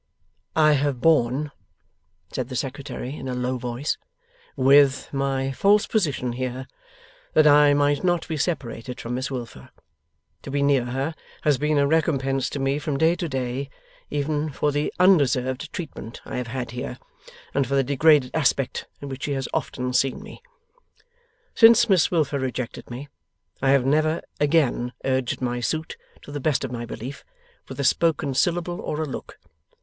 'I have borne,' said the Secretary, in a low voice, 'with my false position here, that I might not be separated from Miss Wilfer. To be near her, has been a recompense to me from day to day, even for the undeserved treatment I have had here, and for the degraded aspect in which she has often seen me. Since Miss Wilfer rejected me, I have never again urged my suit, to the best of my belief, with a spoken syllable or a look.